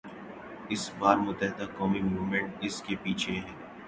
اس بار متحدہ قومی موومنٹ اس کے پیچھے ہے۔